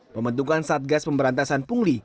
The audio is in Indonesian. pembentukan satgas pemberantasan pungli